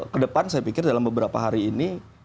kedepan saya pikir dalam beberapa hari ini